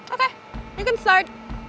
oke lo bisa mulai